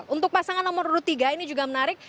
untuk pasangan nomor urut tiga ini juga menarik